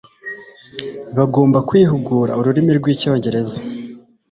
bagomba kwihugura ururimi rw'Icyongereza,